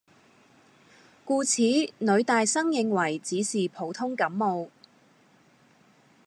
故此女大生認為只是普通感冒